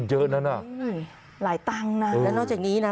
เยอะนะฮะหึหลายตั้งน่ะเฮ้ยแล้วนอกจากนี้นะ